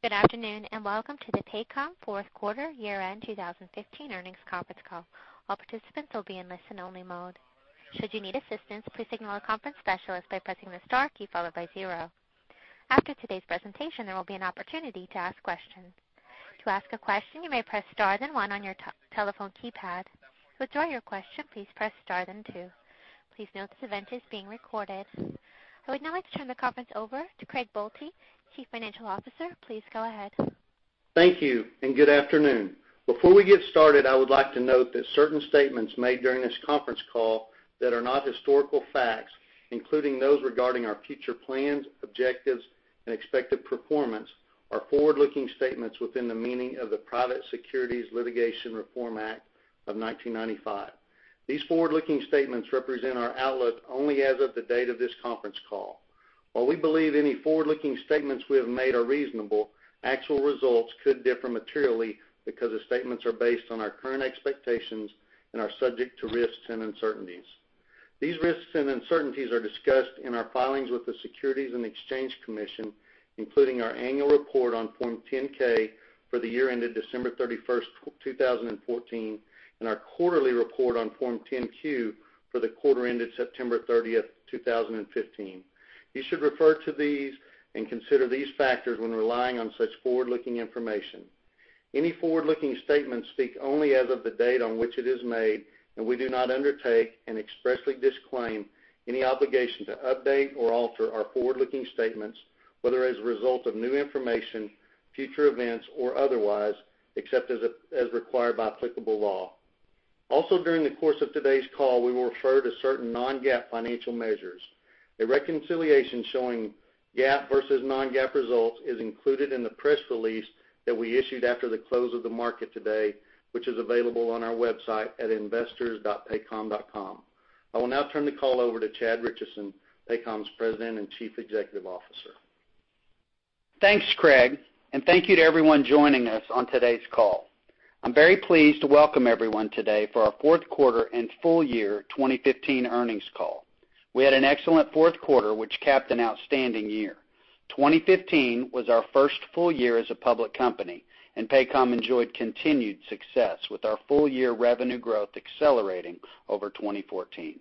Good afternoon, and welcome to the Paycom fourth quarter year-end 2015 earnings conference call. All participants will be in listen-only mode. Should you need assistance, please signal a conference specialist by pressing the star key followed by 0. After today's presentation, there will be an opportunity to ask questions. To ask a question, you may press star then 1 on your telephone keypad. To withdraw your question, please press star then 2. Please note this event is being recorded. I would now like to turn the conference over to Craig Boelte, Chief Financial Officer. Please go ahead. Thank you, and good afternoon. Before we get started, I would like to note that certain statements made during this conference call that are not historical facts, including those regarding our future plans, objectives, and expected performance, are forward-looking statements within the meaning of the Private Securities Litigation Reform Act of 1995. These forward-looking statements represent our outlook only as of the date of this conference call. While we believe any forward-looking statements we have made are reasonable, actual results could differ materially because the statements are based on our current expectations and are subject to risks and uncertainties. These risks and uncertainties are discussed in our filings with the Securities and Exchange Commission, including our annual report on Form 10-K for the year ended December 31, 2014, and our quarterly report on Form 10-Q for the quarter ended September 30, 2015. You should refer to these and consider these factors when relying on such forward-looking information. Any forward-looking statements speak only as of the date on which it is made, and we do not undertake and expressly disclaim any obligation to update or alter our forward-looking statements, whether as a result of new information, future events, or otherwise, except as required by applicable law. During the course of today's call, we will refer to certain non-GAAP financial measures. A reconciliation showing GAAP versus non-GAAP results is included in the press release that we issued after the close of the market today, which is available on our website at investors.paycom.com. I will now turn the call over to Chad Richison, Paycom's President and Chief Executive Officer. Thanks, Craig, and thank you to everyone joining us on today's call. I'm very pleased to welcome everyone today for our fourth quarter and full year 2015 earnings call. We had an excellent fourth quarter, which capped an outstanding year. 2015 was our first full year as a public company, and Paycom enjoyed continued success with our full-year revenue growth accelerating over 2014.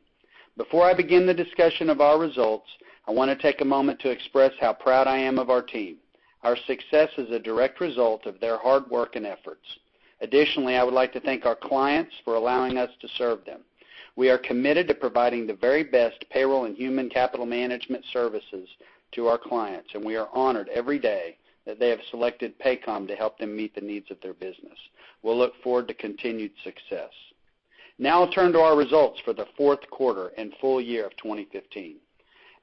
Before I begin the discussion of our results, I want to take a moment to express how proud I am of our team. Our success is a direct result of their hard work and efforts. Additionally, I would like to thank our clients for allowing us to serve them. We are committed to providing the very best payroll and human capital management services to our clients, and we are honored every day that they have selected Paycom to help them meet the needs of their business. We'll look forward to continued success. I'll turn to our results for the fourth quarter and full year of 2015.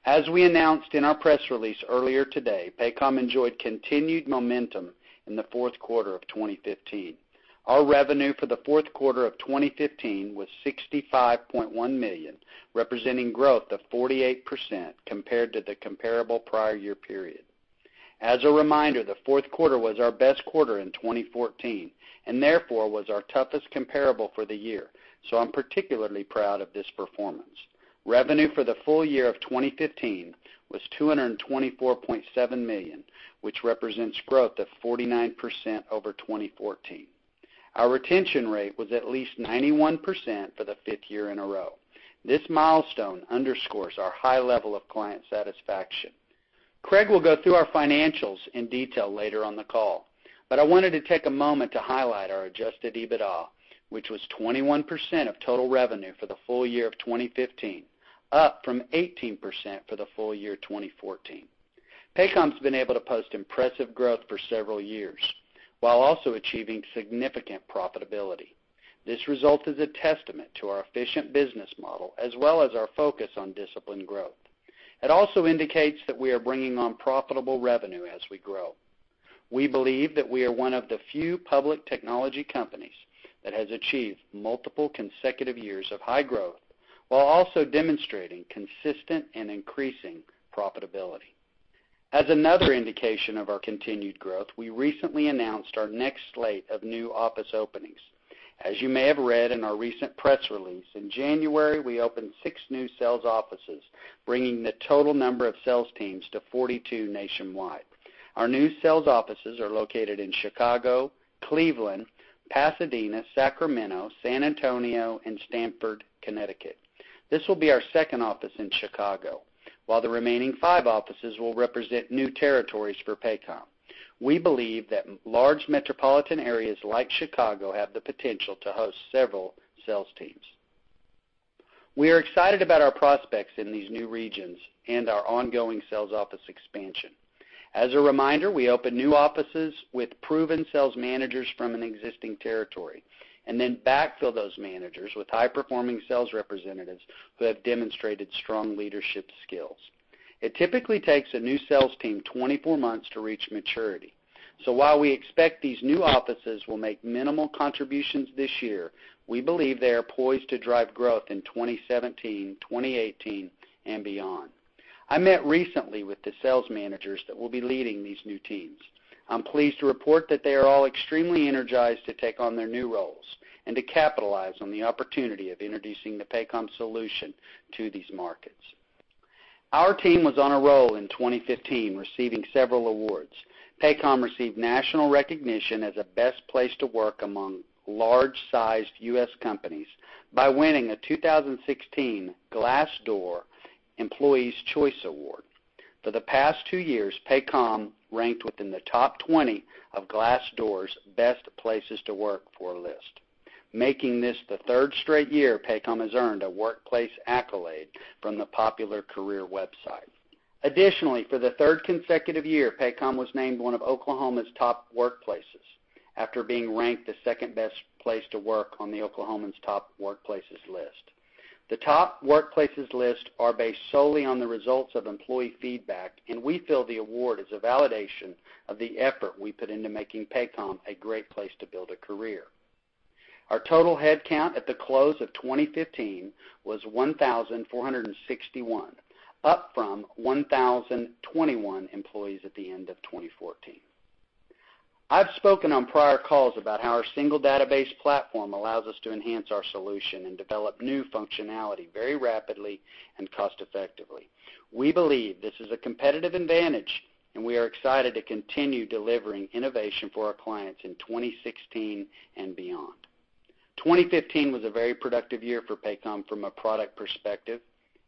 As we announced in our press release earlier today, Paycom enjoyed continued momentum in the fourth quarter of 2015. Our revenue for the fourth quarter of 2015 was $65.1 million, representing growth of 48% compared to the comparable prior year period. As a reminder, the fourth quarter was our best quarter in 2014 and therefore was our toughest comparable for the year, so I'm particularly proud of this performance. Revenue for the full year of 2015 was $224.7 million, which represents growth of 49% over 2014. Our retention rate was at least 91% for the fifth year in a row. This milestone underscores our high level of client satisfaction. Craig will go through our financials in detail later on the call. I wanted to take a moment to highlight our adjusted EBITDA, which was 21% of total revenue for the full year of 2015, up from 18% for the full year 2014. Paycom's been able to post impressive growth for several years while also achieving significant profitability. This result is a testament to its efficient business model as well as our focus on disciplined growth. It also indicates that we are bringing on profitable revenue as we grow. We believe that we are one of the few public technology companies that has achieved multiple consecutive years of high growth while also demonstrating consistent and increasing profitability. As another indication of our continued growth, we recently announced our next slate of new office openings. As you may have read in our recent press release, in January, we opened six new sales offices, bringing the total number of sales teams to 42 nationwide. Our new sales offices are located in Chicago, Cleveland, Pasadena, Sacramento, San Antonio, and Stamford, Connecticut. This will be our second office in Chicago, while the remaining five offices will represent new territories for Paycom. We believe that large metropolitan areas like Chicago have the potential to host several sales teams. We are excited about our prospects in these new regions and our ongoing sales office expansion. As a reminder, we open new offices with proven sales managers from an existing territory, then backfill those managers with high-performing sales representatives who have demonstrated strong leadership skills. It typically takes a new sales team 24 months to reach maturity. While we expect these new offices will make minimal contributions this year, we believe they are poised to drive growth in 2017, 2018, and beyond. I met recently with the sales managers that will be leading these new teams. I'm pleased to report that they are all extremely energized to take on their new roles and to capitalize on the opportunity of introducing the Paycom solution to these markets. Our team was on a roll in 2015, receiving several awards. Paycom received national recognition as a Best Place to Work among large-sized U.S. companies by winning a 2016 Glassdoor Employees' Choice Award. For the past two years, Paycom ranked within the top 20 of Glassdoor's Best Places to Work For list, making this the third straight year Paycom has earned a workplace accolade from the popular career website. Additionally, for the third consecutive year, Paycom was named one of Oklahoma's Top Workplaces after being ranked the second best place to work on The Oklahoman's Top Workplaces list. The Top Workplaces list are based solely on the results of employee feedback. We feel the award is a validation of the effort we put into making Paycom a great place to build a career. Our total headcount at the close of 2015 was 1,461, up from 1,021 employees at the end of 2014. I've spoken on prior calls about how our single database platform allows us to enhance our solution and develop new functionality very rapidly and cost effectively. We believe this is a competitive advantage. We are excited to continue delivering innovation for our clients in 2016 and beyond. 2015 was a very productive year for Paycom from a product perspective.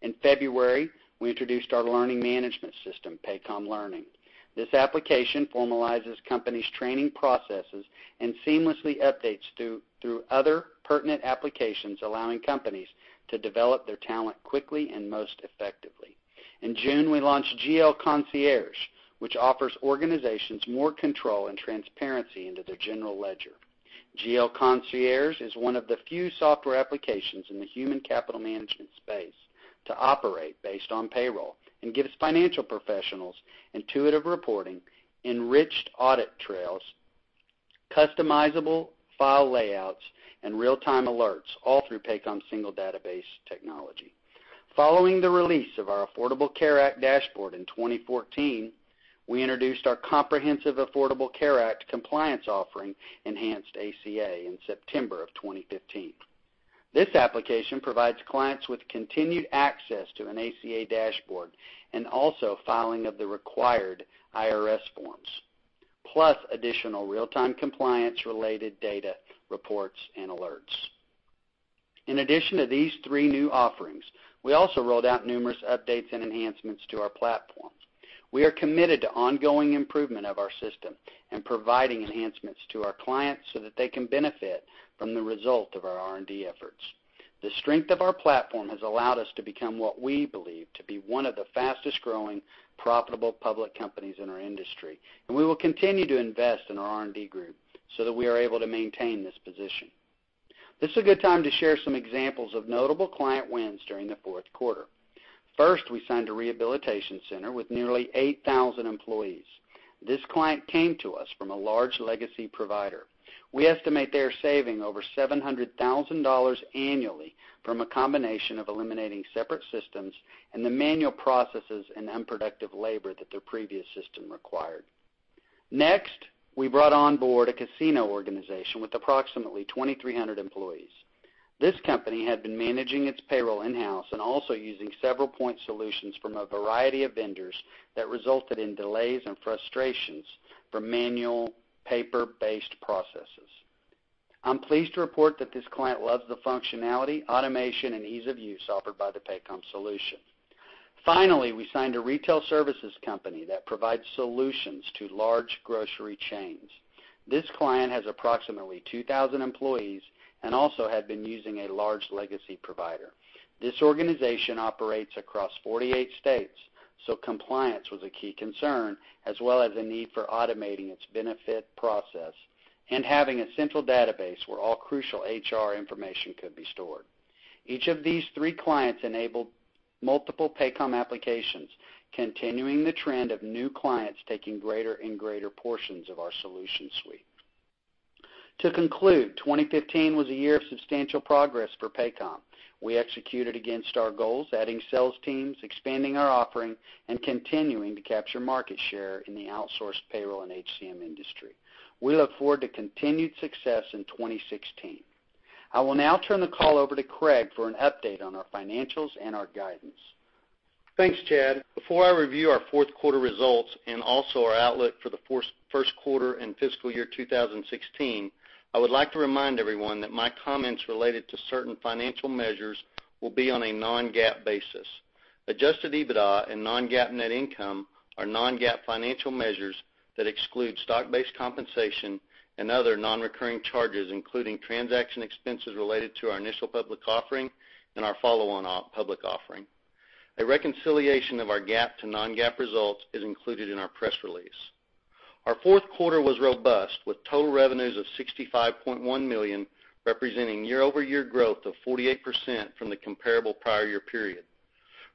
In February, we introduced our learning management system, Paycom Learning. This application formalizes companies' training processes and seamlessly updates through other pertinent applications, allowing companies to develop their talent quickly and most effectively. In June, we launched GL Concierge, which offers organizations more control and transparency into their general ledger. GL Concierge is one of the few software applications in the human capital management space to operate based on payroll and gives financial professionals intuitive reporting, enriched audit trails, customizable file layouts, and real-time alerts, all through Paycom's single database technology. Following the release of our Affordable Care Act dashboard in 2014, we introduced our comprehensive Affordable Care Act compliance offering, Enhanced ACA, in September of 2015. This application provides clients with continued access to an ACA dashboard and also filing of the required IRS forms, plus additional real-time compliance-related data, reports, and alerts. In addition to these three new offerings, we also rolled out numerous updates and enhancements to our platforms. We are committed to ongoing improvement of our system and providing enhancements to our clients so that they can benefit from the result of our R&D efforts. The strength of our platform has allowed us to become what we believe to be one of the fastest-growing profitable public companies in our industry. We will continue to invest in our R&D group so that we are able to maintain this position. This is a good time to share some examples of notable client wins during the fourth quarter. First, we signed a rehabilitation center with nearly 8,000 employees. This client came to us from a large legacy provider. We estimate they are saving over $700,000 annually from a combination of eliminating separate systems and the manual processes and unproductive labor that their previous system required. Next, we brought on board a casino organization with approximately 2,300 employees. This company had been managing its payroll in-house and also using several point solutions from a variety of vendors that resulted in delays and frustrations from manual paper-based processes. I'm pleased to report that this client loves the functionality, automation, and ease of use offered by the Paycom solution. Finally, we signed a retail services company that provides solutions to large grocery chains. This client has approximately 2,000 employees and also had been using a large legacy provider. This organization operates across 48 states, so compliance was a key concern, as well as a need for automating its benefit process and having a central database where all crucial HR information could be stored. Each of these three clients enabled multiple Paycom applications, continuing the trend of new clients taking greater and greater portions of our solution suite. To conclude, 2015 was a year of substantial progress for Paycom. We executed against our goals, adding sales teams, expanding our offering, and continuing to capture market share in the outsourced payroll and HCM industry. We look forward to continued success in 2016. I will now turn the call over to Craig for an update on our financials and our guidance. Thanks, Chad. Before I review our fourth quarter results and also our outlook for the first quarter and fiscal year 2016, I would like to remind everyone that my comments related to certain financial measures will be on a non-GAAP basis. Adjusted EBITDA and non-GAAP net income are non-GAAP financial measures that exclude stock-based compensation and other non-recurring charges, including transaction expenses related to our initial public offering and our follow-on public offering. A reconciliation of our GAAP to non-GAAP results is included in our press release. Our fourth quarter was robust, with total revenues of $65.1 million, representing year-over-year growth of 48% from the comparable prior year period.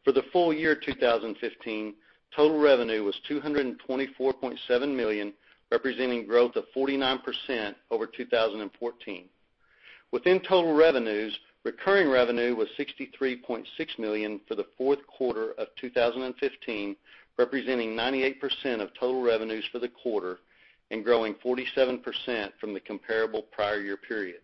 For the full year 2015, total revenue was $224.7 million, representing growth of 49% over 2014. Within total revenues, recurring revenue was $63.6 million for the fourth quarter of 2015, representing 98% of total revenues for the quarter and growing 47% from the comparable prior year period.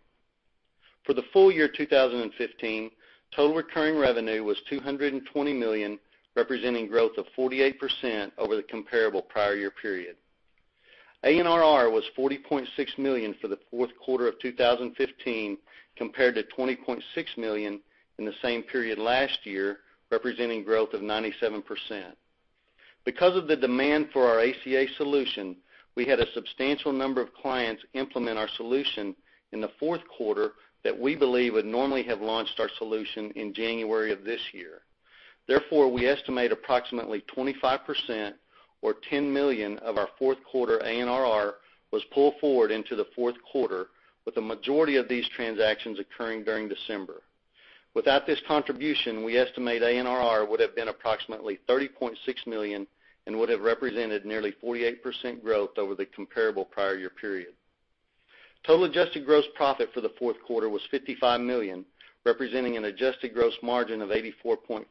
For the full year 2015, total recurring revenue was $220 million, representing growth of 48% over the comparable prior year period. ANRR was $40.6 million for the fourth quarter of 2015, compared to $20.6 million in the same period last year, representing growth of 97%. Because of the demand for our ACA solution, we had a substantial number of clients implement our solution in the fourth quarter that we believe would normally have launched our solution in January of this year. Therefore, we estimate approximately 25%, or $10 million of our fourth quarter ANRR was pulled forward into the fourth quarter, with the majority of these transactions occurring during December. Without this contribution, we estimate ANRR would've been approximately $30.6 million and would have represented nearly 48% growth over the comparable prior year period. Total adjusted gross profit for the fourth quarter was $55 million, representing an adjusted gross margin of 84.4%.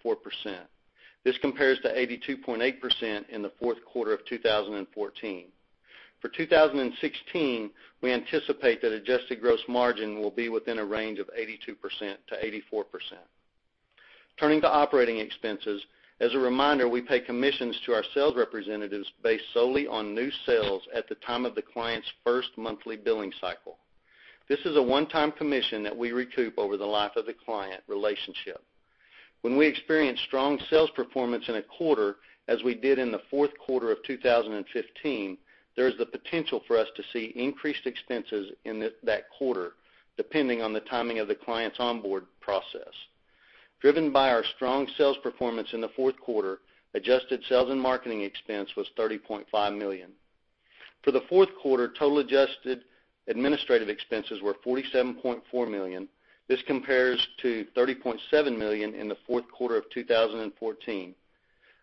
This compares to 82.8% in the fourth quarter of 2014. For 2016, we anticipate that adjusted gross margin will be within a range of 82%-84%. Turning to operating expenses. As a reminder, we pay commissions to our sales representatives based solely on new sales at the time of the client's first monthly billing cycle. This is a one-time commission that we recoup over the life of the client relationship. When we experience strong sales performance in a quarter, as we did in the fourth quarter of 2015, there is the potential for us to see increased expenses in that quarter, depending on the timing of the client's onboard process. Driven by our strong sales performance in the fourth quarter, adjusted sales and marketing expense was $30.5 million. For the fourth quarter, total adjusted administrative expenses were $47.4 million. This compares to $30.7 million in the fourth quarter of 2014.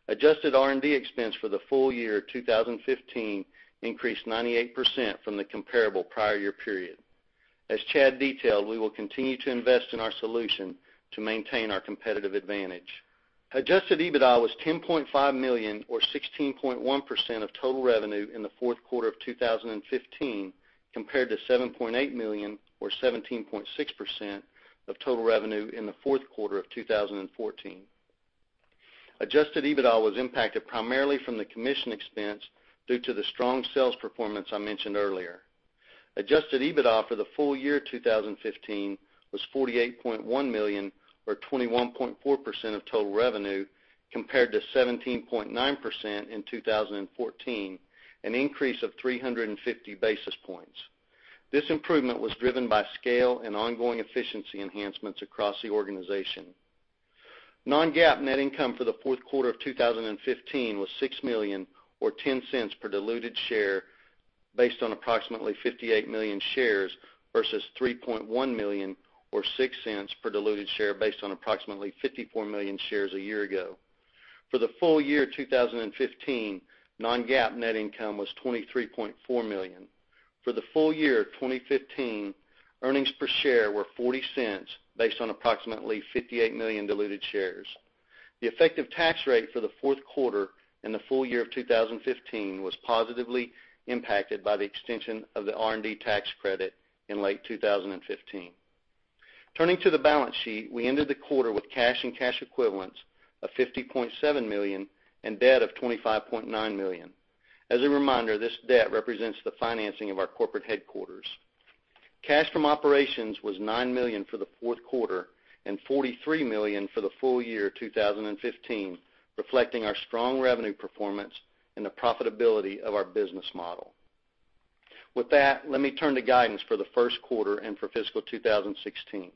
Adjusted R&D expense for the full year 2015 increased 98% from the comparable prior year period. As Chad detailed, we will continue to invest in our solution to maintain our competitive advantage. Adjusted EBITDA was $10.5 million or 16.1% of total revenue in the fourth quarter of 2015, compared to $7.8 million or 17.6% of total revenue in the fourth quarter of 2014. Adjusted EBITDA was impacted primarily from the commission expense due to the strong sales performance I mentioned earlier. Adjusted EBITDA for the full year 2015 was $48.1 million or 21.4% of total revenue, compared to 17.9% in 2014, an increase of 350 basis points. This improvement was driven by scale and ongoing efficiency enhancements across the organization. Non-GAAP net income for the fourth quarter of 2015 was $6 million or $0.10 per diluted share based on approximately 58 million shares versus $3.1 million or $0.06 per diluted share based on approximately 54 million shares a year ago. For the full year 2015, non-GAAP net income was $23.4 million. For the full year 2015, earnings per share were $0.40, based on approximately 58 million diluted shares. The effective tax rate for the fourth quarter and the full year of 2015 was positively impacted by the extension of the R&D tax credit in late 2015. Turning to the balance sheet. We ended the quarter with cash and cash equivalents of $50.7 million and debt of $25.9 million. As a reminder, this debt represents the financing of our corporate headquarters. Cash from operations was $9 million for the fourth quarter and $43 million for the full year 2015, reflecting our strong revenue performance and the profitability of our business model. With that, let me turn to guidance for the first quarter and for fiscal 2016.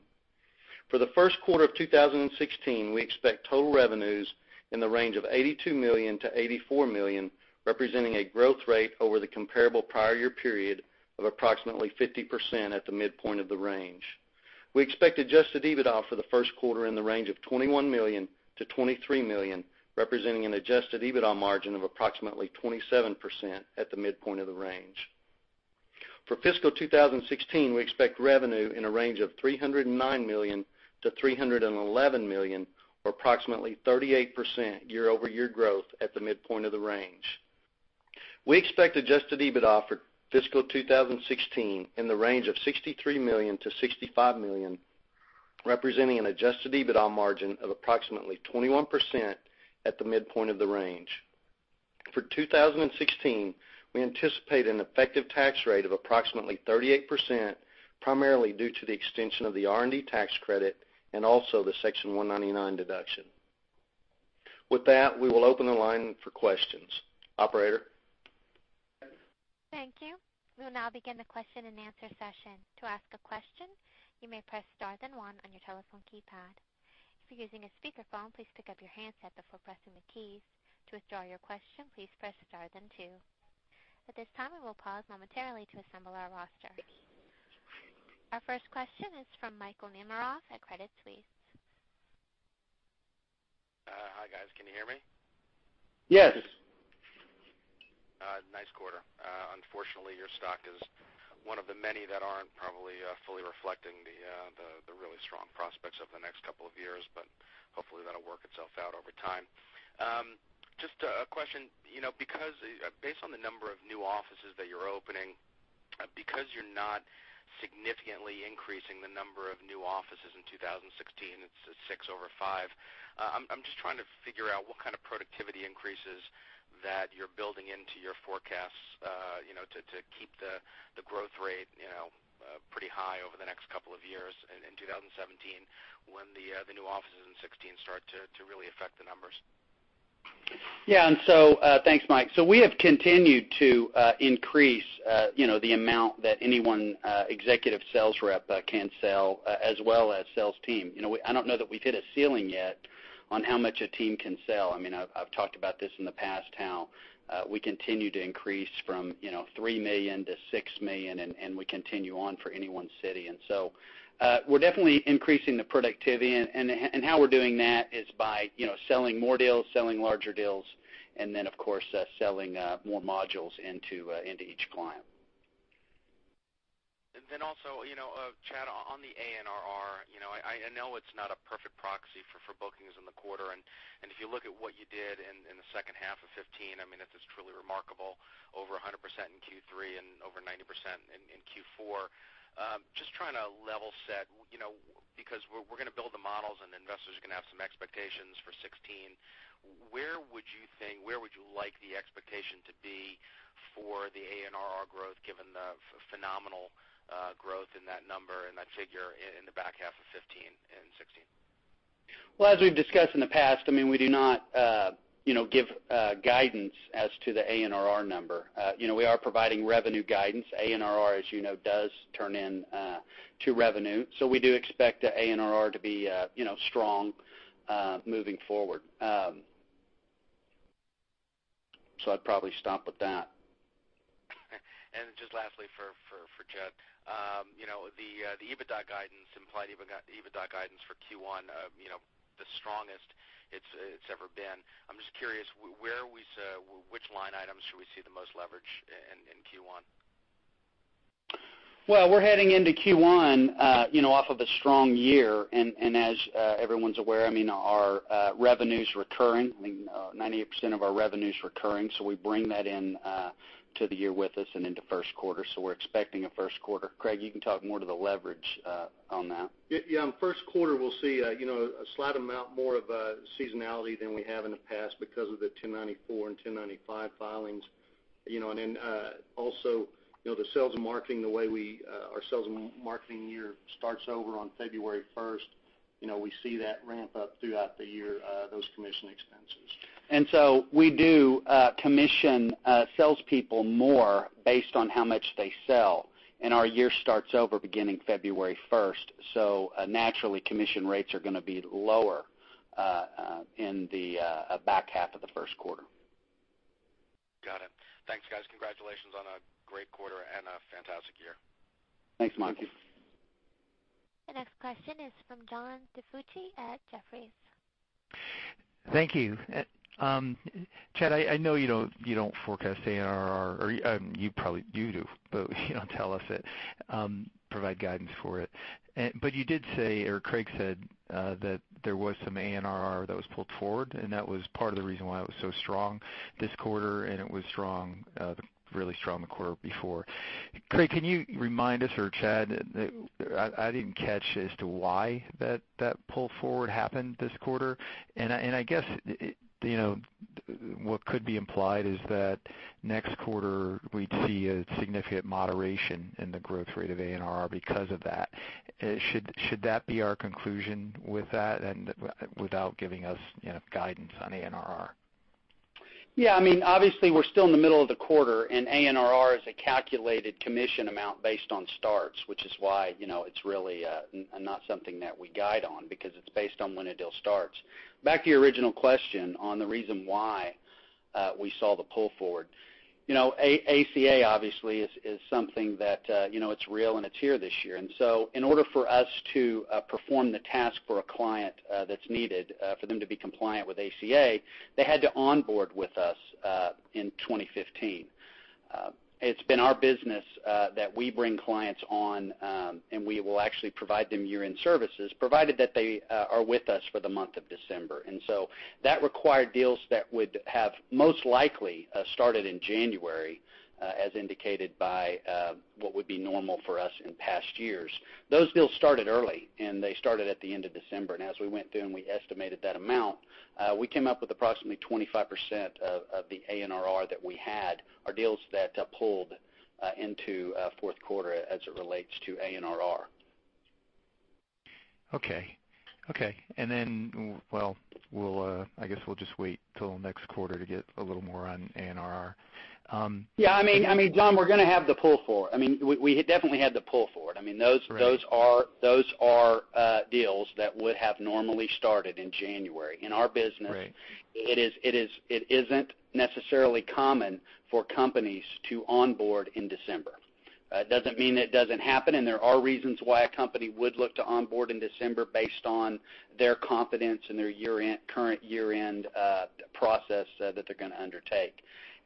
For the first quarter of 2016, we expect total revenues in the range of $82 million to $84 million, representing a growth rate over the comparable prior year period of approximately 50% at the midpoint of the range. We expect adjusted EBITDA for the first quarter in the range of $21 million to $23 million, representing an adjusted EBITDA margin of approximately 27% at the midpoint of the range. For fiscal 2016, we expect revenue in a range of $309 million to $311 million, or approximately 38% year-over-year growth at the midpoint of the range. We expect adjusted EBITDA for fiscal 2016 in the range of $63 million to $65 million, representing an adjusted EBITDA margin of approximately 21% at the midpoint of the range. For 2016, we anticipate an effective tax rate of approximately 38%, primarily due to the extension of the R&D tax credit and also the Section 199 deduction. With that, we will open the line for questions. Operator? Thank you. We will now begin the question and answer session. To ask a question, you may press star then one on your telephone keypad. If you're using a speakerphone, please pick up your handset before pressing the keys. To withdraw your question, please press star then two. At this time, we will pause momentarily to assemble our roster. Our first question is from Michael Nemeroff at Credit Suisse. Hi, guys. Can you hear me? Yes. Nice quarter. Unfortunately, your stock is one of the many that aren't probably fully reflecting the strong prospects over the next couple of years, hopefully that'll work itself out over time. Just a question. Based on the number of new offices that you're opening, because you're not significantly increasing the number of new offices in 2016, it's six over five, I'm just trying to figure out what kind of productivity increases that you're building into your forecasts to keep the growth rate pretty high over the next couple of years in 2017 when the new offices in 2016 start to really affect the numbers. Yeah. Thanks, Mike. We have continued to increase the amount that any one executive sales rep can sell, as well as sales team. I don't know that we've hit a ceiling yet on how much a team can sell. I've talked about this in the past, how we continue to increase from $3 million to $6 million, and we continue on for any one city. We're definitely increasing the productivity, and how we're doing that is by selling more deals, selling larger deals, and then, of course, selling more modules into each client. Also, Chad, on the ANRR, I know it's not a perfect proxy for bookings in the quarter, if you look at what you did in the second half of 2015, it's truly remarkable, over 100% in Q3 and over 90% in Q4. Just trying to level set, because we're going to build the models, and investors are going to have some expectations for 2016. Where would you like the expectation to be for the ANRR growth, given the phenomenal growth in that number and that figure in the back half of 2015 and 2016? Well, as we've discussed in the past, we do not give guidance as to the ANRR number. We are providing revenue guidance. ANRR, as you know, does turn into revenue. We do expect the ANRR to be strong moving forward. I'd probably stop with that. Just lastly, for Chad. The EBITDA guidance implied, EBITDA guidance for Q1, the strongest it's ever been. I'm just curious, which line items should we see the most leverage in Q1? Well, we're heading into Q1, off of a strong year. As everyone's aware, our revenue's recurring, 98% of our revenue's recurring, we bring that into the year with us and into first quarter. We're expecting a first quarter. Craig, you can talk more to the leverage on that. Yeah. First quarter, we'll see a slight amount more of a seasonality than we have in the past because of the 1094 and 1095 filings. Also, the sales and marketing, the way our sales and marketing year starts over on February 1st, we see that ramp up throughout the year, those commission expenses. We do commission salespeople more based on how much they sell, and our year starts over beginning February 1st. Naturally, commission rates are going to be lower in the back half of the first quarter. Got it. Thanks, guys. Congratulations on a great quarter and a fantastic year. Thanks, Mike. Thank you. The next question is from John DiFucci at Jefferies. Thank you. Chad, I know you don't forecast ANRR, or you do, but you don't tell us it, provide guidance for it. You did say, or Craig said, that there was some ANRR that was pulled forward, and that was part of the reason why it was so strong this quarter, and it was really strong the quarter before. Craig, can you remind us, or Chad, I didn't catch as to why that pull forward happened this quarter. I guess what could be implied is that next quarter, we'd see a significant moderation in the growth rate of ANRR because of that. Should that be our conclusion with that and without giving us guidance on ANRR? Yeah. Obviously, we're still in the middle of the quarter, ANRR is a calculated commission amount based on starts, which is why it's really not something that we guide on because it's based on when a deal starts. Back to your original question on the reason why we saw the pull forward. ACA, obviously, is something that it's real and it's here this year. In order for us to perform the task for a client that's needed for them to be compliant with ACA, they had to onboard with us in 2015. It's been our business that we bring clients on, and we will actually provide them year-end services, provided that they are with us for the month of December. That required deals that would have most likely started in January, as indicated by what would be normal for us in past years. Those deals started early. They started at the end of December. As we went through and we estimated that amount, we came up with approximately 25% of the ANRR that we had are deals that pulled into fourth quarter as it relates to ANRR. Okay. Well, I guess we'll just wait till next quarter to get a little more on ANRR. Yeah. John, we're going to have the pull forward. We definitely had the pull forward. Those are deals that would have normally started in January. In our business, it isn't necessarily common for companies to onboard in December. It doesn't mean it doesn't happen, and there are reasons why a company would look to onboard in December based on their confidence in their current year-end process that they're going to undertake.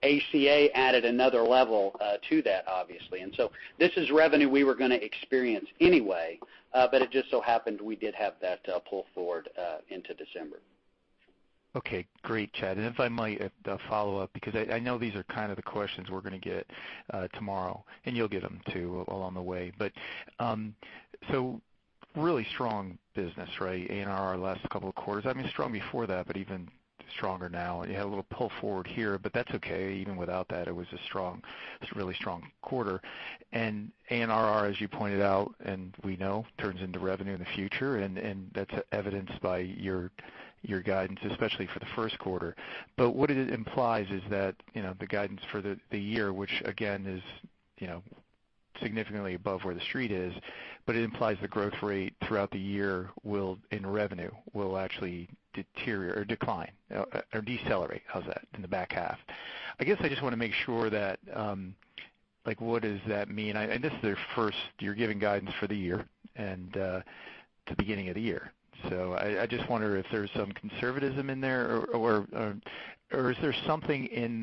ACA added another level to that, obviously. This is revenue we were going to experience anyway, but it just so happened we did have that pull forward into December. Okay, great, Chad. If I might follow up, because I know these are the questions we're going to get tomorrow, and you'll get them too along the way. Really strong business, right? ANRR last couple of quarters. I mean, strong before that, but even stronger now. You had a little pull forward here, but that's okay. Even without that, it was a really strong quarter. ANRR, as you pointed out, and we know, turns into revenue in the future, and that's evidenced by your guidance, especially for the first quarter. What it implies is that the guidance for the year, which again is significantly above where the street is, but it implies the growth rate throughout the year in revenue will actually deteriorate or decline or decelerate, how's that, in the back half. I guess I just want to make sure what does that mean? This is your first you're giving guidance for the year and the beginning of the year. I just wonder if there's some conservatism in there or is there something in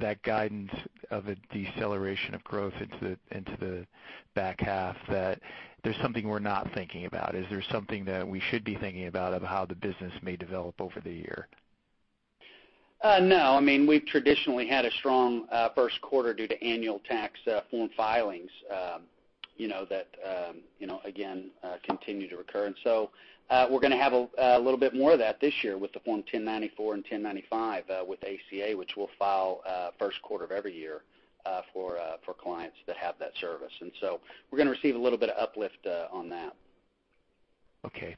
that guidance of a deceleration of growth into the back half that there's something we're not thinking about? Is there something that we should be thinking about of how the business may develop over the year? No. We've traditionally had a strong first quarter due to annual tax form filings, that again, continue to recur. We're going to have a little bit more of that this year with the Form 1094 and 1095 with ACA, which we'll file first quarter of every year for clients that have that service. We're going to receive a little bit of uplift on that. Okay,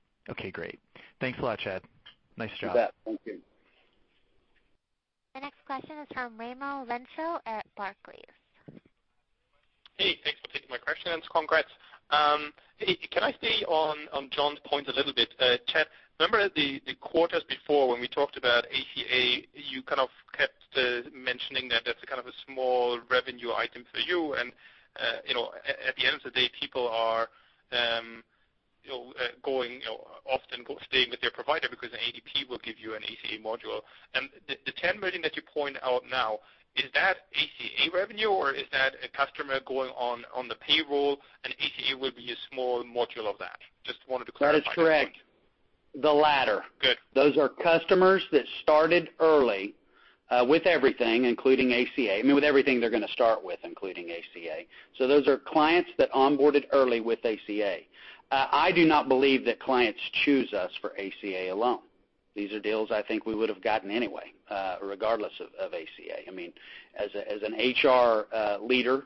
great. Thanks a lot, Chad. Nice job. You bet. Thank you. The next question is from Raimo Lenschow at Barclays. Hey, thanks for taking my question, and congrats. Can I stay on John's point a little bit? Chad, remember the quarters before when we talked about ACA, you kept mentioning that that's a small revenue item for you. At the end of the day, people are often staying with their provider because ADP will give you an ACA module. The $10 million that you point out now, is that ACA revenue, or is that a customer going on the payroll and ACA will be a small module of that? Just wanted to clarify that point. That is correct. The latter. Good. Those are customers that started early, with everything they're going to start with, including ACA. Those are clients that onboarded early with ACA. I do not believe that clients choose us for ACA alone. These are deals I think we would've gotten anyway, regardless of ACA. As an HR leader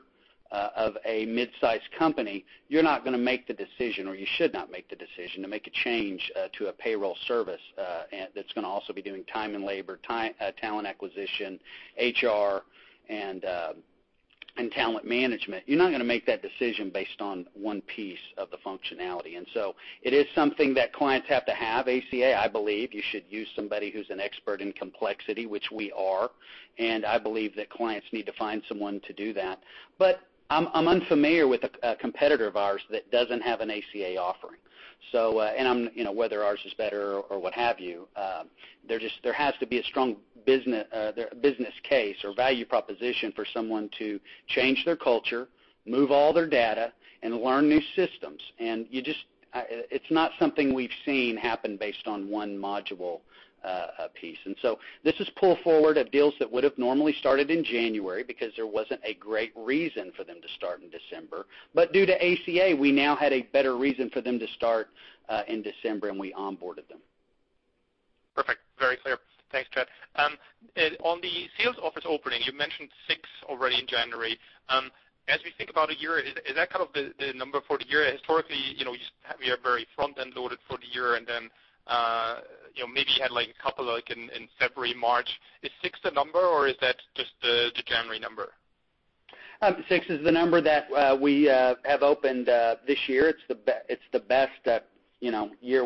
of a mid-size company, you're not going to make the decision, or you should not make the decision to make a change to a payroll service that's going to also be doing time and labor, talent acquisition, HR, and talent management. You're not going to make that decision based on one piece of the functionality. It is something that clients have to have, ACA. I believe you should use somebody who's an expert in complexity, which we are, and I believe that clients need to find someone to do that. I'm unfamiliar with a competitor of ours that doesn't have an ACA offering. Whether ours is better or what have you, there has to be a strong business case or value proposition for someone to change their culture, move all their data, and learn new systems. It's not something we've seen happen based on one module piece. This is pull forward of deals that would've normally started in January because there wasn't a great reason for them to start in December. Due to ACA, we now had a better reason for them to start in December, and we onboarded them. Perfect. Very clear. Thanks, Chad. On the sales office opening, you mentioned six already in January. As we think about a year, is that the number for the year? Historically, you are very front-end loaded for the year, maybe you had a couple in February, March. Is six the number, or is that just the January number? Six is the number that we have opened this year. It's the best year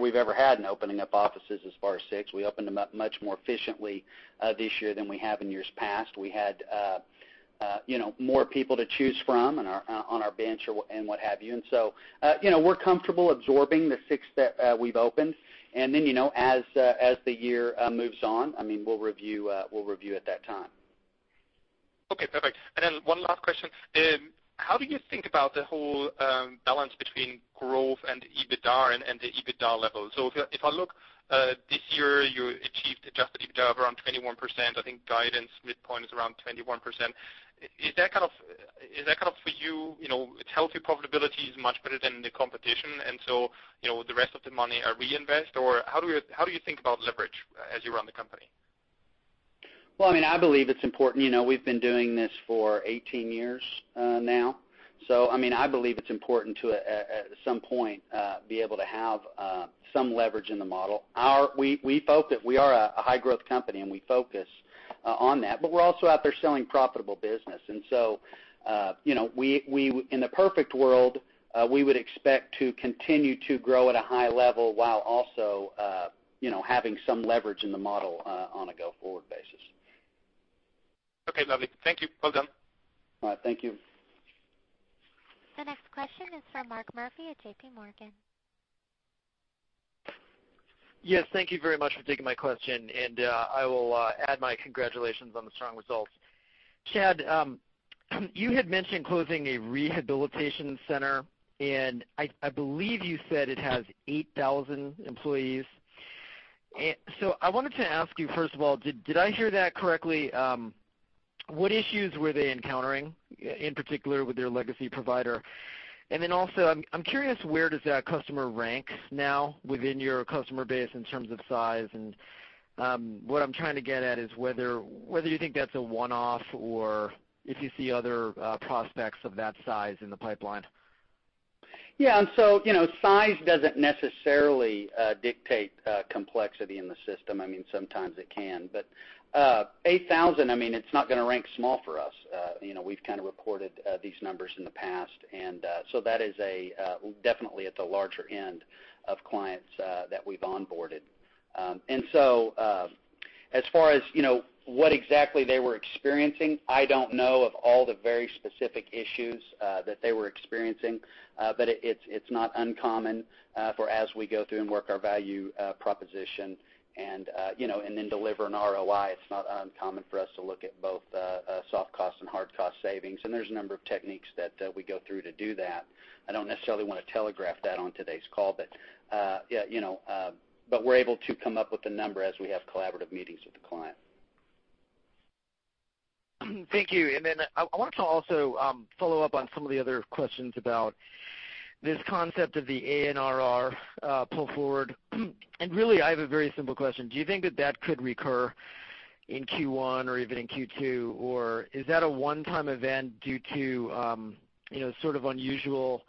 we've ever had in opening up offices as far as six. We opened them up much more efficiently this year than we have in years past. We're comfortable absorbing the six that we've opened. As the year moves on, we'll review at that time. Okay, perfect. One last question. How do you think about the whole balance between growth and EBITDA and the EBITDA level? If I look this year, you achieved adjusted EBITDA of around 21%. I think guidance midpoint is around 21%. Is that for you, it's healthy profitability, is much better than the competition, the rest of the money are reinvest? How do you think about leverage as you run the company? Well, I believe it's important. We've been doing this for 18 years now. I believe it's important to, at some point, be able to have some leverage in the model. We are a high-growth company, and we focus on that, but we're also out there selling profitable business. In a perfect world, we would expect to continue to grow at a high level while also having some leverage in the model on a go-forward basis. Okay, lovely. Thank you. Well done. All right. Thank you. The next question is from Mark Murphy at J.P. Morgan. Yes, thank you very much for taking my question, I will add my congratulations on the strong results. Chad, you had mentioned closing a rehabilitation center, and I believe you said it has 8,000 employees. I wanted to ask you, first of all, did I hear that correctly? What issues were they encountering, in particular with their legacy provider? Also, I'm curious, where does that customer rank now within your customer base in terms of size? What I'm trying to get at is whether you think that's a one-off or if you see other prospects of that size in the pipeline. Yeah. Size doesn't necessarily dictate complexity in the system. Sometimes it can, but 8,000, it's not going to rank small for us. We've reported these numbers in the past, that is definitely at the larger end of clients that we've onboarded. As far as what exactly they were experiencing, I don't know of all the very specific issues that they were experiencing. It's not uncommon for as we go through and work our value proposition and then deliver an ROI, it's not uncommon for us to look at both soft cost and hard cost savings. There's a number of techniques that we go through to do that. I don't necessarily want to telegraph that on today's call, but we're able to come up with a number as we have collaborative meetings with the client. Thank you. I wanted to also follow up on some of the other questions about this concept of the ANRR pull forward. Really, I have a very simple question. Do you think that that could recur in Q1 or even in Q2, or is that a one-time event due to unusual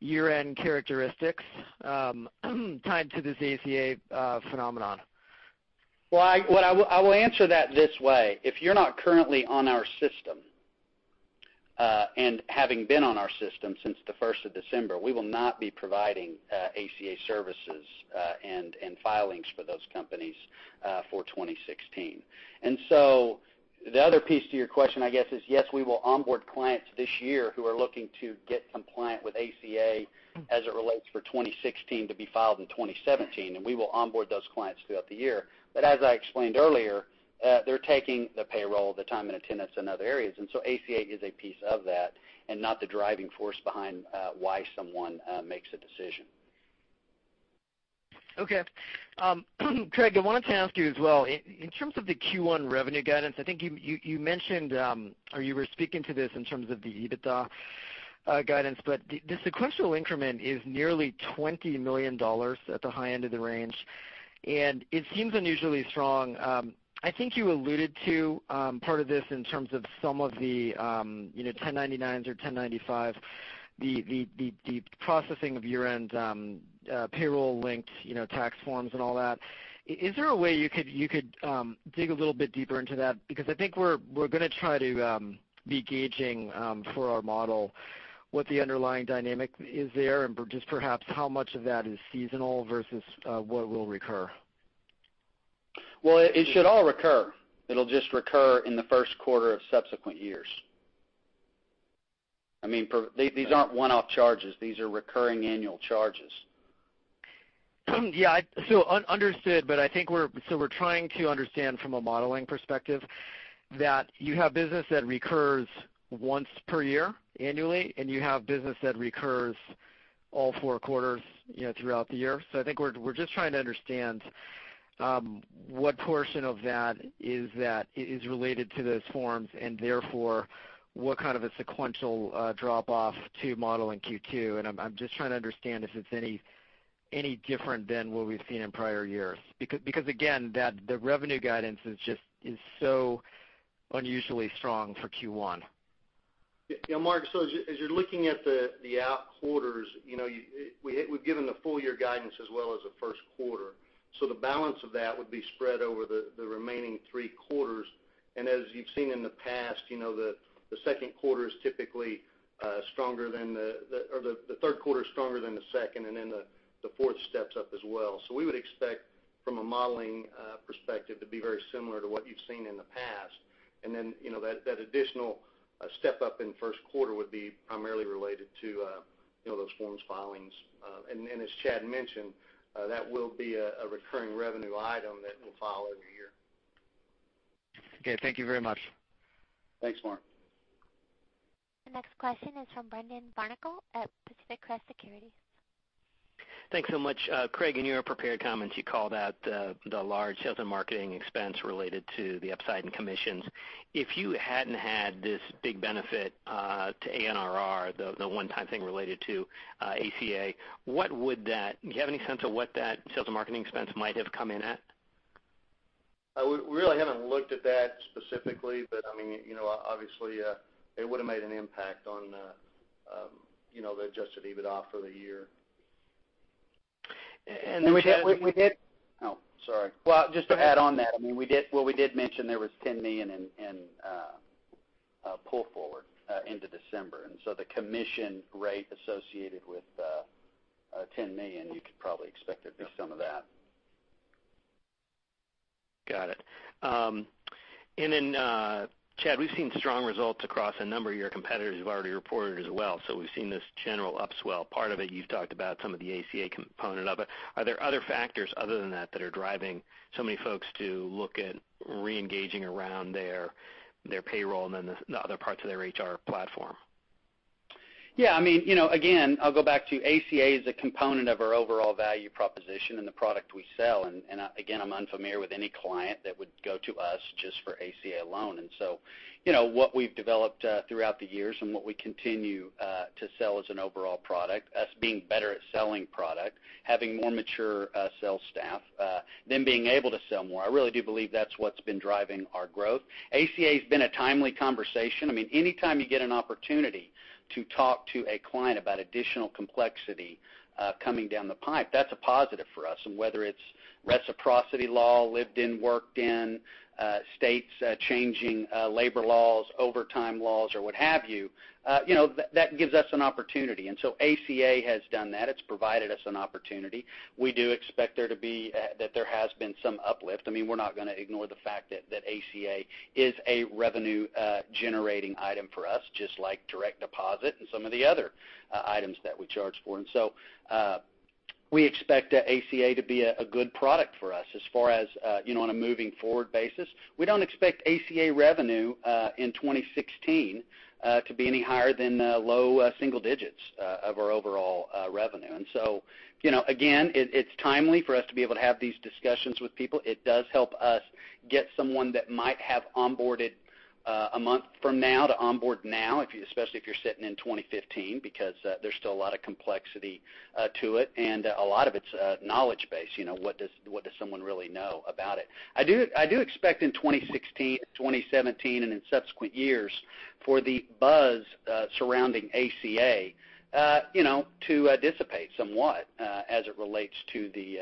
year-end characteristics tied to this ACA phenomenon? Well, I will answer that this way. If you're not currently on our system, having been on our system since the 1st of December, we will not be providing ACA services and filings for those companies for 2016. The other piece to your question, I guess, is yes, we will onboard clients this year who are looking to get compliant with ACA as it relates for 2016 to be filed in 2017, and we will onboard those clients throughout the year. As I explained earlier, they're taking the payroll, the time and attendance in other areas. ACA is a piece of that and not the driving force behind why someone makes a decision. Okay. Craig, I wanted to ask you as well, in terms of the Q1 revenue guidance, I think you mentioned, or you were speaking to this in terms of the EBITDA guidance, but the sequential increment is nearly $20 million at the high end of the range, and it seems unusually strong. I think you alluded to part of this in terms of some of the 1099s or 1095, the processing of year-end payroll-linked tax forms and all that. Is there a way you could dig a little bit deeper into that? I think we're going to try to be gauging for our model what the underlying dynamic is there and just perhaps how much of that is seasonal versus what will recur. Well, it should all recur. It'll just recur in the first quarter of subsequent years. These aren't one-off charges. These are recurring annual charges. Yeah. Understood, I think we're trying to understand from a modeling perspective that you have business that recurs once per year annually, and you have business that recurs all four quarters throughout the year. I think we're just trying to understand what portion of that is related to those forms and therefore, what kind of a sequential drop-off to model in Q2. I'm just trying to understand if it's any different than what we've seen in prior years. Again, the revenue guidance is so unusually strong for Q1. Mark, as you're looking at the out quarters, we've given the full year guidance as well as the first quarter. The balance of that would be spread over the remaining three quarters. As you've seen in the past, the third quarter is stronger than the second, the fourth steps up as well. We would expect from a modeling perspective to be very similar to what you've seen in the past. That additional step-up in first quarter would be primarily related to those forms filings. As Chad mentioned, that will be a recurring revenue item that will file every year. Okay. Thank you very much. Thanks, Mark. The next question is from Brendan Barnicle at Pacific Crest Securities. Thanks so much. Craig, in your prepared comments, you called out the large sales and marketing expense related to the upside in commissions. If you hadn't had this big benefit to ANRR, the one-time thing related to ACA, do you have any sense of what that sales and marketing expense might have come in at? We really haven't looked at that specifically, but obviously, it would have made an impact on the adjusted EBITDA for the year. We did. Oh, sorry. Well, just to add on that, we did mention there was $10 million in pull forward into December. The commission rate associated with $10 million, you could probably expect it to be some of that. Got it. Chad, we've seen strong results across a number of your competitors who've already reported as well. We've seen this general upswell. Part of it, you've talked about some of the ACA component of it. Are there other factors other than that that are driving so many folks to look at re-engaging around their payroll and then the other parts of their HR platform? Yeah. Again, I'll go back to ACA is a component of our overall value proposition and the product we sell. I'm unfamiliar with any client that would go to us just for ACA alone. What we've developed throughout the years and what we continue to sell as an overall product, us being better at selling product, having more mature sales staff, them being able to sell more. I really do believe that's what's been driving our growth. ACA has been a timely conversation. Anytime you get an opportunity to talk to a client about additional complexity coming down the pipe, that's a positive for us. Whether it's reciprocity law, lived-in-worked-in, states changing labor laws, overtime laws, or what have you, that gives us an opportunity. ACA has done that. It's provided us an opportunity. We do expect that there has been some uplift. We're not going to ignore the fact that ACA is a revenue-generating item for us, just like direct deposit and some of the other items that we charge for. We expect ACA to be a good product for us as far as on a moving forward basis. We don't expect ACA revenue in 2016 to be any higher than low single digits of our overall revenue. Again, it's timely for us to be able to have these discussions with people. It does help us get someone that might have onboarded a month from now to onboard now, especially if you're sitting in 2015, because there's still a lot of complexity to it and a lot of it's knowledge-based. What does someone really know about it? I do expect in 2016, 2017, and in subsequent years for the buzz surrounding ACA to dissipate somewhat as it relates to the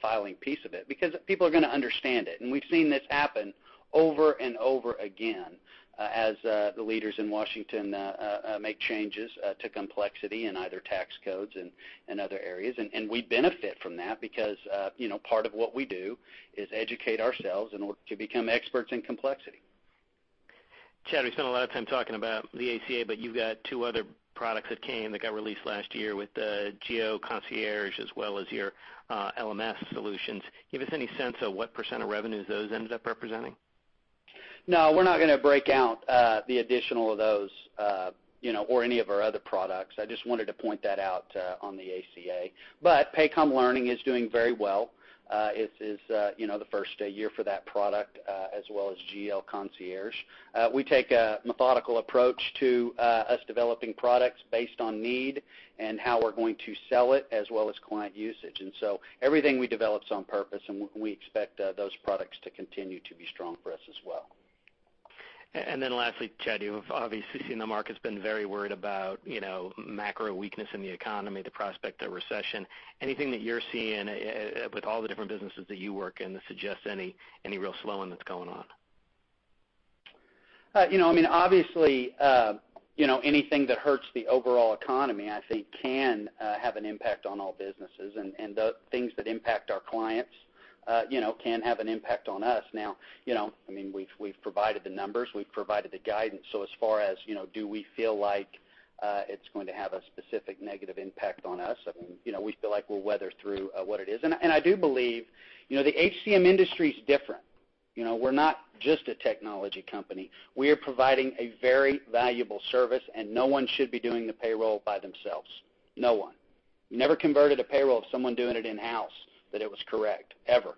filing piece of it, because people are going to understand it. We've seen this happen over and over again as the leaders in Washington make changes to complexity in either tax codes and other areas. We benefit from that because part of what we do is educate ourselves in order to become experts in complexity. Chad, we spent a lot of time talking about the ACA, you've got two other products that came that got released last year with the GL Concierge as well as your LMS solutions. Give us any sense of what % of revenues those ended up representing? No, we're not going to break out the additional of those or any of our other products. I just wanted to point that out on the ACA. Paycom Learning is doing very well. It's the first year for that product, as well as GL Concierge. We take a methodical approach to us developing products based on need and how we're going to sell it, as well as client usage. Everything we develop is on purpose, and we expect those products to continue to be strong for us as well. Lastly, Chad, you have obviously seen the market's been very worried about macro weakness in the economy, the prospect of recession. Anything that you're seeing with all the different businesses that you work in that suggests any real slowing that's going on? Obviously, anything that hurts the overall economy, I think, can have an impact on all businesses. The things that impact our clients can have an impact on us. We've provided the numbers, we've provided the guidance. As far as do we feel like it's going to have a specific negative impact on us, we feel like we'll weather through what it is. I do believe the HCM industry is different. We're not just a technology company. We are providing a very valuable service, and no one should be doing the payroll by themselves. No one. Never converted a payroll of someone doing it in-house that it was correct, ever.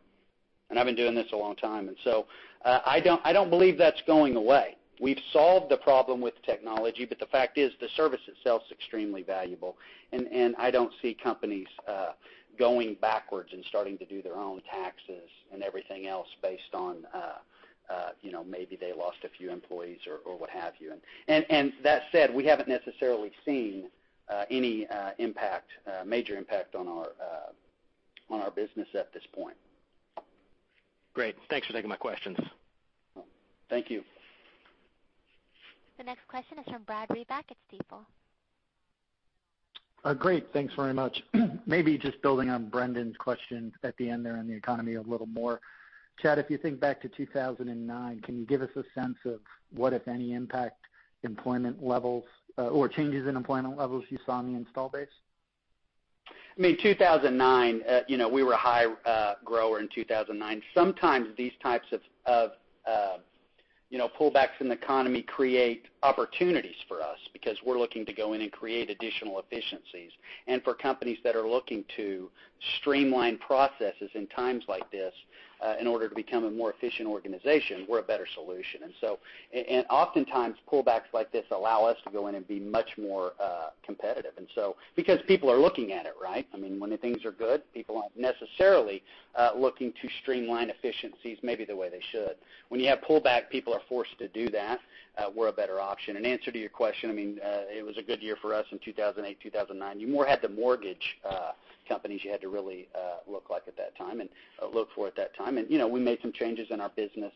I've been doing this a long time. I don't believe that's going away. We've solved the problem with technology, but the fact is the service itself is extremely valuable, and I don't see companies going backwards and starting to do their own taxes and everything else based on maybe they lost a few employees or what have you. That said, we haven't necessarily seen any major impact on our business at this point. Great. Thanks for taking my questions. Thank you. The next question is from Brad Berning at Stifel. Great. Thanks very much. Maybe just building on Brendan's question at the end there on the economy a little more. Chad, if you think back to 2009, can you give us a sense of what, if any, impact employment levels or changes in employment levels you saw in the install base? 2009, we were a high grower in 2009. Sometimes these types of pullbacks in the economy create opportunities for us because we're looking to go in and create additional efficiencies. For companies that are looking to streamline processes in times like this in order to become a more efficient organization, we're a better solution. Oftentimes, pullbacks like this allow us to go in and be much more competitive. People are looking at it, right? When the things are good, people aren't necessarily looking to streamline efficiencies maybe the way they should. When you have pullback, people are forced to do that. We're a better option. In answer to your question, it was a good year for us in 2008, 2009. You more had the mortgage companies you had to really look for at that time. We made some changes in our business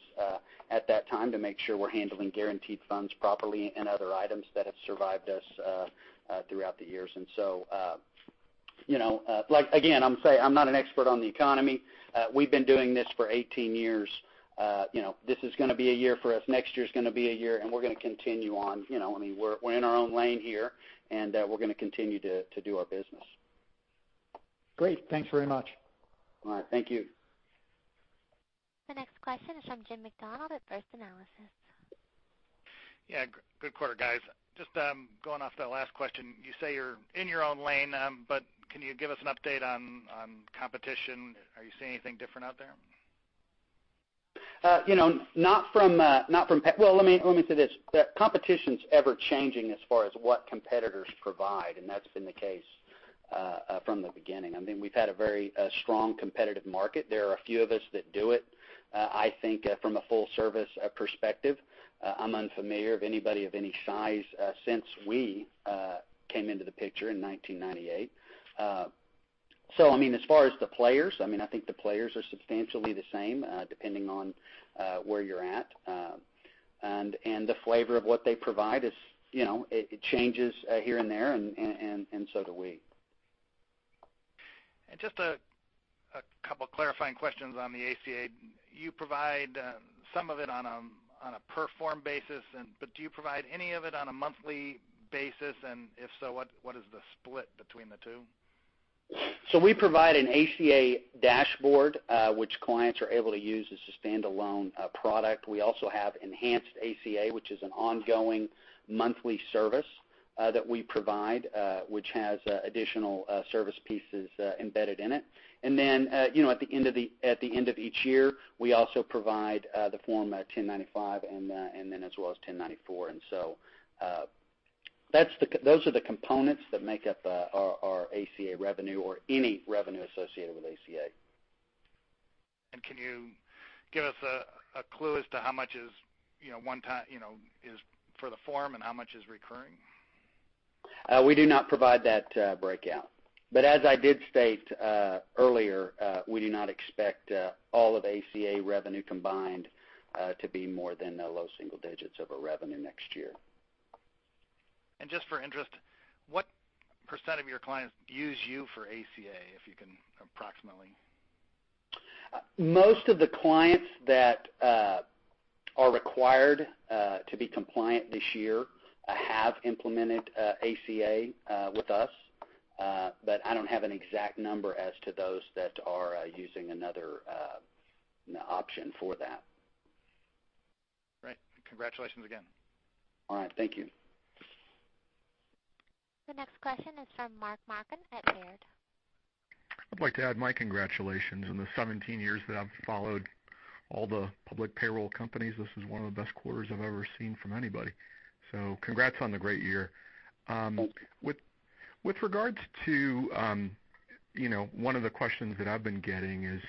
at that time to make sure we're handling guaranteed funds properly and other items that have survived us throughout the years. So again, I'm not an expert on the economy. We've been doing this for 18 years. This is going to be a year for us. Next year is going to be a year, and we're going to continue on. We're in our own lane here, and we're going to continue to do our business. Great. Thanks very much. All right. Thank you. The next question is from Jim MacDonald at First Analysis. Yeah. Good quarter, guys. Just going off that last question, you say you're in your own lane, can you give us an update on competition? Are you seeing anything different out there? Well, let me say this. Competition's ever-changing as far as what competitors provide, and that's been the case from the beginning. We've had a very strong competitive market. There are a few of us that do it. I think from a full service perspective, I'm unfamiliar of anybody of any size since we came into the picture in 1998. As far as the players, I think the players are substantially the same, depending on where you're at. The flavor of what they provide, it changes here and there, and so do we. Just a couple clarifying questions on the ACA. You provide some of it on a per form basis, but do you provide any of it on a monthly basis? If so, what is the split between the two? We provide an ACA dashboard, which clients are able to use as a standalone product. We also have Enhanced ACA, which is an ongoing monthly service that we provide, which has additional service pieces embedded in it. At the end of each year, we also provide the Form 1095 and as well as Form 1094. Those are the components that make up our ACA revenue or any revenue associated with ACA. Can you give us a clue as to how much is for the form and how much is recurring? We do not provide that breakout. As I did state earlier, we do not expect all of ACA revenue combined to be more than low single digits of our revenue next year. Just for interest, what % of your clients use you for ACA, if you can, approximately? Most of the clients that are required to be compliant this year have implemented ACA with us, but I don't have an exact number as to those that are using another option for that. Right. Congratulations again. All right. Thank you. The next question is from Mark Marcon at Baird. I'd like to add my congratulations. In the 17 years that I've followed all the public payroll companies, this is one of the best quarters I've ever seen from anybody. Congrats on the great year. Thank you. With regards to one of the questions that I've been getting is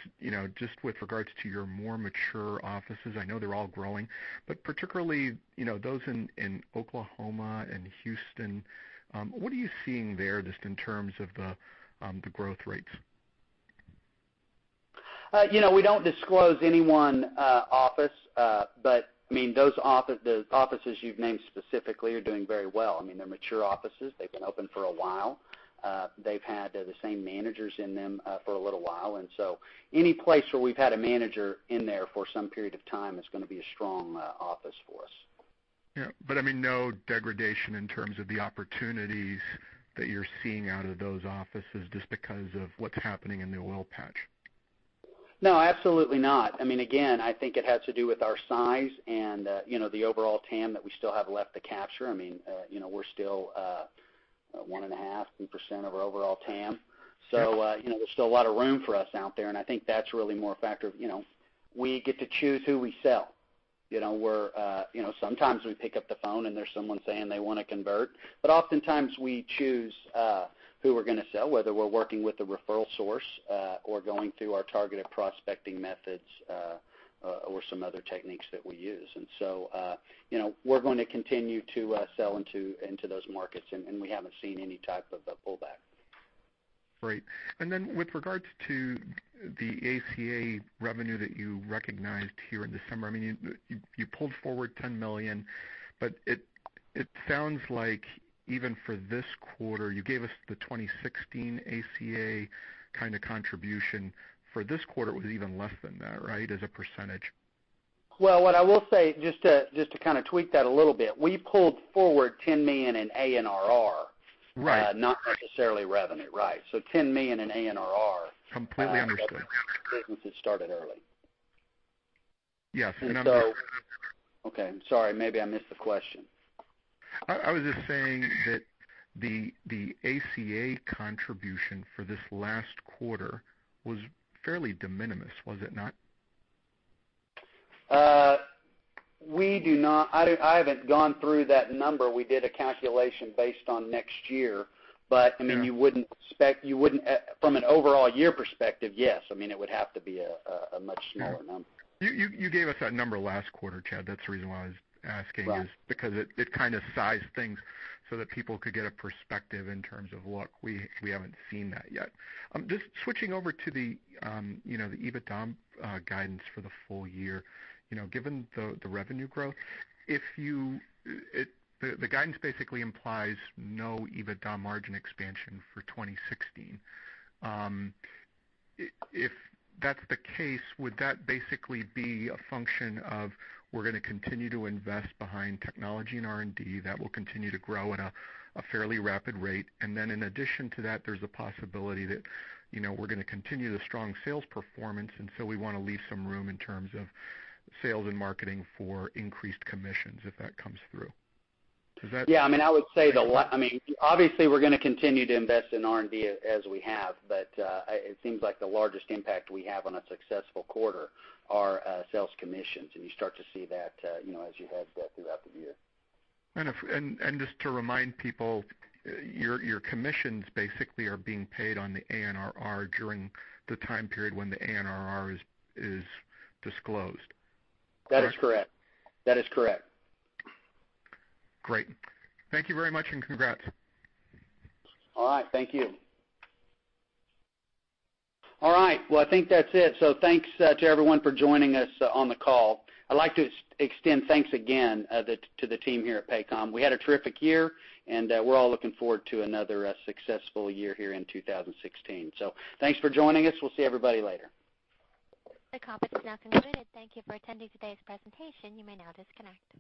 just with regards to your more mature offices, I know they're all growing, but particularly, those in Oklahoma and Houston, what are you seeing there just in terms of the growth rates? We don't disclose any one office, but the offices you've named specifically are doing very well. They're mature offices. They've been open for a while. They've had the same managers in them for a little while. Any place where we've had a manager in there for some period of time is going to be a strong office for us. Yeah. No degradation in terms of the opportunities that you're seeing out of those offices just because of what's happening in the oil patch? No, absolutely not. Again, I think it has to do with our size and the overall TAM that we still have left to capture. We're still 1.5, 2% of our overall TAM. Sure. There's still a lot of room for us out there, and I think that's really more a factor of we get to choose who we sell. Sometimes we pick up the phone and there's someone saying they want to convert, but oftentimes we choose who we're going to sell, whether we're working with a referral source or going through our targeted prospecting methods or some other techniques that we use. We're going to continue to sell into those markets, and we haven't seen any type of pullback. Great. Then with regards to the ACA revenue that you recognized here in December, you pulled forward $10 million, but it sounds like even for this quarter, you gave us the 2016 ACA kind of contribution. For this quarter, it was even less than that, right? As a %. Well, what I will say, just to kind of tweak that a little bit, we pulled forward $10 million in ANRR- Right not necessarily revenue. Right. $10 million in ANRR- Completely understood business that started early. Yes. Okay. I'm sorry. Maybe I missed the question. I was just saying that the ACA contribution for this last quarter was fairly de minimis, was it not? I haven't gone through that number. We did a calculation based on next year. Sure. From an overall year perspective, yes. It would have to be a much smaller number. You gave us that number last quarter, Chad. That's the reason why I was asking is because it kind of sized things so that people could get a perspective in terms of, "Look, we haven't seen that yet." Just switching over to the EBITDA guidance for the full year. Given the revenue growth, the guidance basically implies no EBITDA margin expansion for 2016. If that's the case, would that basically be a function of we're going to continue to invest behind technology and R&D, that will continue to grow at a fairly rapid rate, and then in addition to that, there's a possibility that we're going to continue the strong sales performance, and so we want to leave some room in terms of sales and marketing for increased commissions if that comes through? Does that? Yeah. Obviously, we're going to continue to invest in R&D as we have, but it seems like the largest impact we have on a successful quarter are sales commissions, and you start to see that as you head throughout the year. Just to remind people, your commissions basically are being paid on the ANRR during the time period when the ANRR is disclosed. That is correct. Great. Thank you very much, and congrats. All right. Thank you. All right. Well, I think that's it. Thanks to everyone for joining us on the call. I'd like to extend thanks again to the team here at Paycom. We had a terrific year, and we're all looking forward to another successful year here in 2016. Thanks for joining us. We'll see everybody later. The conference is now concluded. Thank you for attending today's presentation. You may now disconnect.